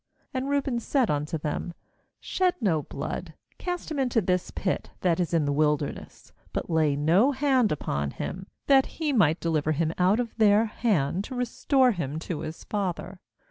^And Reuben said unto them: . 'Shed no blood; cast him into this pit that is in the wilderness, but lay no hand upon him' — that he might deliver him out of their hand, to restore him to his father.